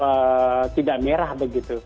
tetap mau tidak merah begitu